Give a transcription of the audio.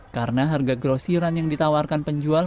karena harga grosiran yang ditawarkan penjual